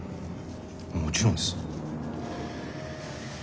もちろんです。